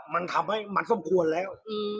มันทำให้มันสมควรแล้ว